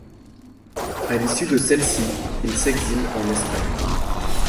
À l'issue de celle-ci, il s'exile en Espagne.